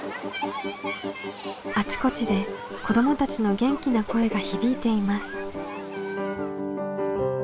あちこちで子どもたちの元気な声が響いています。